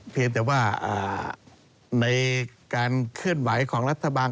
เพียงแต่ว่าในการเคลื่อนไหวของรัฐบาล